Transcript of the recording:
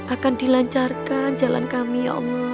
akan dilancarkan jalan kami ya allah